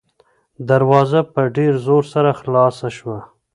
دروازه په ډېر زور سره خلاصه شوه.